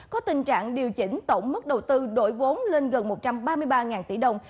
có tình trạng điều chỉnh tổng mức đầu tư đổi vốn lên gần một trăm ba mươi ba tỷ đồng